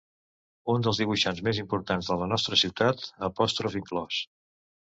Un dels dibuixants més importants de la nostra cultura, apòstrof inclòs.